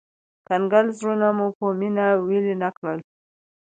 کنګل زړونه مو په مينه ويلي نه کړل